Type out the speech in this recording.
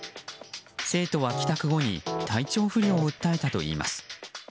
生徒は帰宅後に体調不良を訴えたといいます。